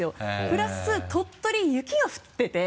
プラス鳥取雪が降ってて。